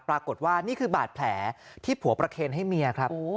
ปรากฏว่านี่คือบาดแผลที่ผัวประเคนให้เมียครับ